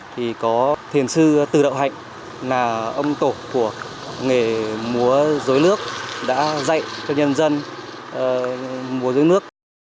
thì có thiền sư từ đậu hạnh là ông tổ của nghề múa rối nước đã dạy cho nhân dân múa rối nước